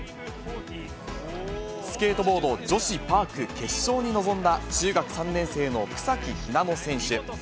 スケートボード女子パーク決勝に臨んだ、中学３年生の草木ひなの選手。